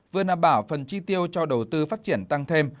vừa đảm bảo phần chi tiêu cho đầu tư phát triển tăng thêm